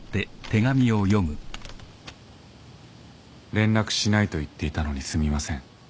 「連絡しないと言っていたのにすみません」